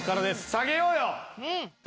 下げようよ！